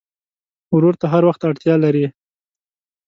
ورور ته هر وخت اړتیا لرې.